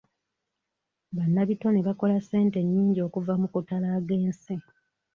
Bannabitone bakola ssente nnyingi okuva mu kutalaaga ensi.